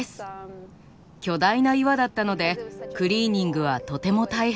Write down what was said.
巨大な岩だったのでクリーニングはとても大変でした。